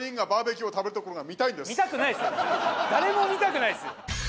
誰も見たくないですよ！